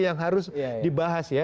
yang harus dibahas ya